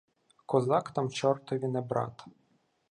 Козак там чортові не брат.